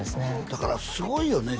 だからすごいよね